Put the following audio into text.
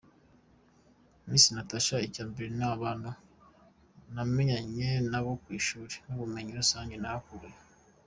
Miss Natacha : Icya mbere ni abantu namenyaniye nabo ku ishuri, n’ubumenyi rusange nahakuye.